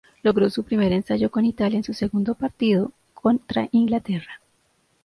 Logró su primer ensayo con Italia en su segundo partido, contra Inglaterra.